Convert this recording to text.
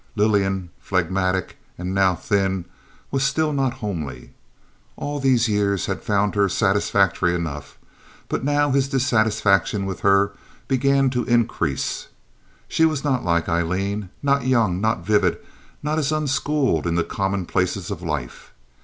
Lillian, phlegmatic and now thin, was still not homely. All these years he had found her satisfactory enough; but now his dissatisfaction with her began to increase. She was not like Aileen—not young, not vivid, not as unschooled in the commonplaces of life.